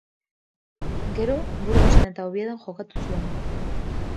Gero, Burgosen eta Oviedon jokatu zuen.